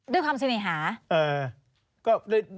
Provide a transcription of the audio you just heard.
ด้วยความเสน่หา